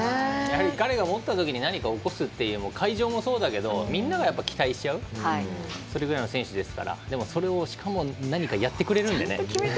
彼が持った時何かを起こすっていうのが会場もそうだけどみんなが期待しちゃうそれぐらいの選手ですからそれでしかも何かやってくれるのでね。